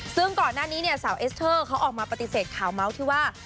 ซึ่งก่อนหน้านี้เนี่ยสาวเอสเตอร์เขาออกมาปฏิเสธข่าวเมาส์ที่ว่า